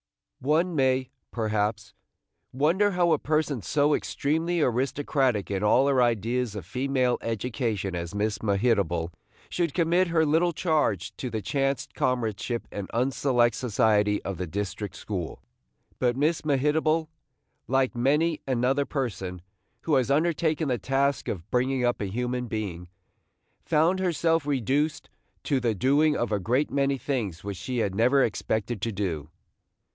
One may, perhaps, wonder how a person so extremely aristocratic in all her ideas of female education as Miss Mehitable should commit her little charge to the chance comradeship and unselect society of the district school. But Miss Mehitable, like many another person who has undertaken the task of bringing up a human being, found herself reduced to the doing of a great many things which she had never expected to do.